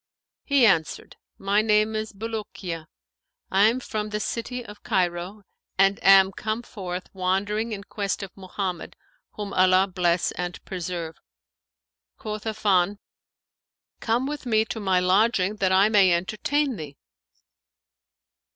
He answered, 'My name is Bulukiya; I am from the city of Cairo and am come forth wandering in quest of Mohammed, whom Allah bless and preserve!' Quoth Affan, 'Come with me to my lodging that I may entertain thee.'